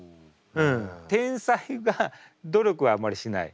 天才が努力をあまりしない。